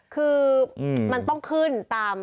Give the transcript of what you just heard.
คือมันต้องขึ้นตาม